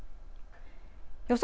予想